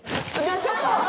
ちょっと！